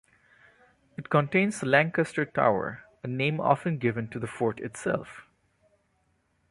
It contains the Lancaster Tower, a name often given to the fort itself.